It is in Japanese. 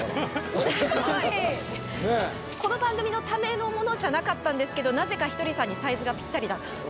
この番組のためのものじゃなかったんですけどなぜかひとりさんにサイズがぴったりだったと。